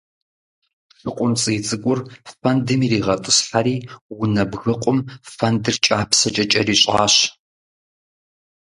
ШыкъумцӀий цӀыкӀур фэндым иригъэтӀысхьэри унэ бгыкъум фэндыр кӀапсэкӀэ кӀэрищӀащ.